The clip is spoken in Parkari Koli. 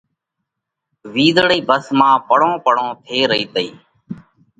وِيزۯئِي ڀس مانه پڙون پڙون ٿي رئِي تئِي۔